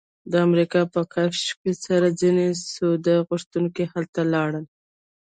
د امریکا په کشف سره ځینې سود غوښتونکي هلته لاړل